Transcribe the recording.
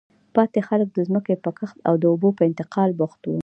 پاتې خلک د ځمکې په کښت او د اوبو په انتقال بوخت وو.